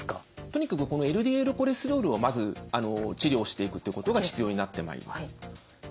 とにかくこのＬＤＬコレステロールをまず治療していくっていうことが必要になってまいります。